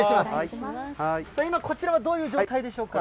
今、こちらはどういう状態でしょうか。